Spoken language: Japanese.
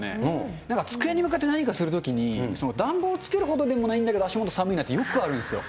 なんか机に向かって何かするときに、暖房をつけるほどでもないんだけど足元寒いなって、よくあるんですよ。